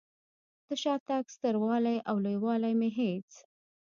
د شاتګ ستر والی او لوی والی مې هېڅ.